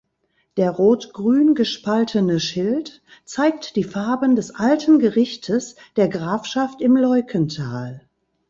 Der grün–rot gespaltene Schild zeigt die Farben des alten Gerichtes der Grafschaft im Leukental.